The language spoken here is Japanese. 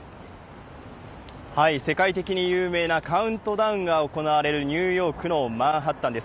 世界的に有名なカウントダウンが行われるニューヨークのマンハッタンです。